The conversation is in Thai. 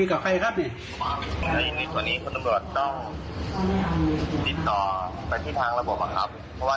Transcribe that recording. อะไรนะครับ